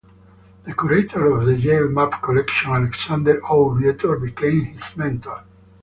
The curator of the Yale map collection, Alexander O. Vietor, became his mentor.